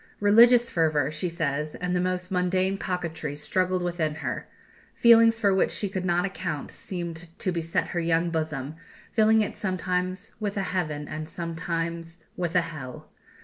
Religious fervour, she says, and the most mundane coquetry struggled within her; feelings for which she could not account seemed to beset her young bosom, filling it sometimes with a heaven and sometimes with a hell.